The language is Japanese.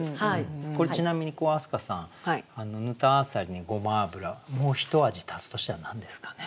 これちなみに明日香さんぬた浅蜊にごま油もうひと味足すとしたら何ですかね？